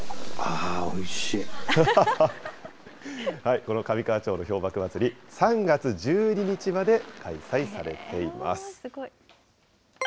この上川町の氷瀑まつり、３月１２日まで開催されています。